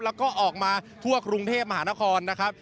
แล้วก็ออกมาทั่วกรุงเทพมหานครนะครับ